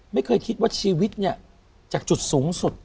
ไม่เคยคิดว่าชีวิตเนี่ยจากจุดสูงสุด